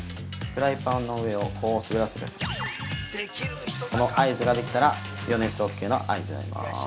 フライパンの上を滑らせてこの合図ができたら予熱オーケーの合図になります。